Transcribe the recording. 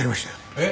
えっ？